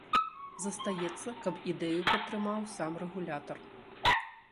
Застаецца, каб ідэю падтрымаў сам рэгулятар.